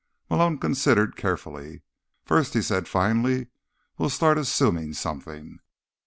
Malone considered carefully. "First," he said finally, "we'll start assuming something.